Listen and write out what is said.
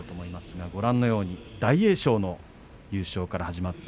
ご覧のように大栄翔の優勝から始まりました。